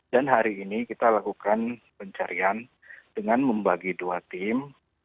dan hari ini kita lakukan pencarian dengan membagi dua tim